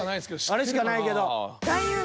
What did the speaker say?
あれしかないけど。